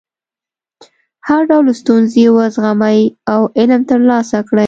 هر ډول ستونزې وزغمئ او علم ترلاسه کړئ.